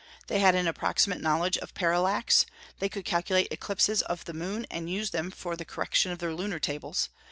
They had an approximate knowledge of parallax; they could calculate eclipses of the moon, and use them for the correction of their lunar tables.